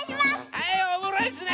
はいオムライスね！